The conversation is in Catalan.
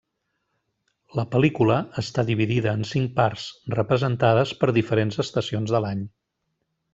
La pel·lícula està dividida en cinc parts, representades per diferents estacions de l'any.